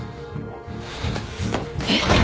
えっ？